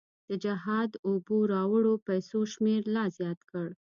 د جهاد اوبو راوړو پیسو شمېر لا زیات کړ.